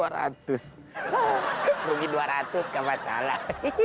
rugi dua ratus gak masalah